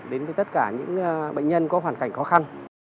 đến với tất cả những bệnh nhân có hoàn cảnh khó khăn